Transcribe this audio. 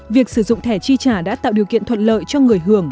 việc sử dụng thẻ chi trả đã tạo điều kiện thuận lợi cho người hưởng